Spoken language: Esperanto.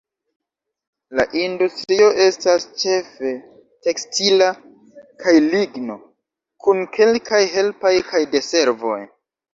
La industrio estas ĉefe tekstila kaj ligno, kun kelkaj helpaj kaj de servoj.